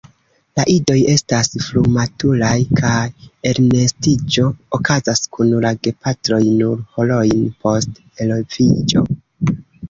La idoj estas frumaturaj, kaj elnestiĝo okazas kun la gepatroj nur horojn post eloviĝo.